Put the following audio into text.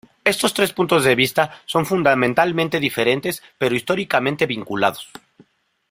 Estos tres puntos de vista son fundamentalmente diferentes, pero históricamente vinculados.